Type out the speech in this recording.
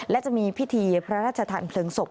และจะมีพิธีพระราชทานเพลิงศพ